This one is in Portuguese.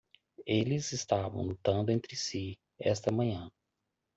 Eles estavam lutando entre si esta manhã.